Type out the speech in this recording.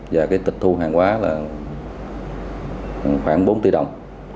và tịch thu hàng hóa là khoảng bốn tỷ đồng